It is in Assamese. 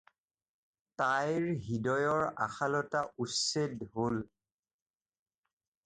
তাইৰ হৃদয়ৰ আশালতা উচ্ছেদ হ'ল।